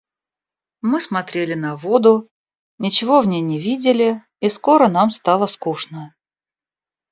Мы смотрели на воду, ничего в ней не видели, и скоро нам стало скучно.